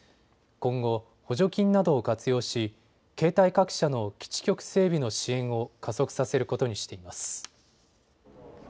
今後、補助金などを活用し、携帯各社の基地局整備の支援を加速させることにしています。